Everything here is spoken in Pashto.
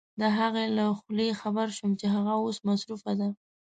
د هغې له خولې خبر شوم چې هغه اوس مصروفه ده.